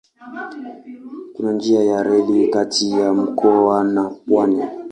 Kuna njia ya reli kati ya mkoa na pwani.